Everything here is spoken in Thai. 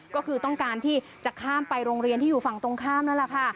ก็คือต้องการที่จะข้ามไปโรงเรียนที่อยู่ฝั่งตรงข้ามนั่นแหละค่ะ